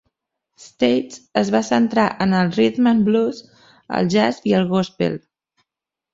States es va centrar en el "rhythm and blues", el jazz i el gòspel.